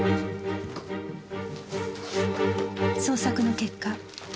捜索の結果